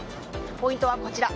ポイントはこちら。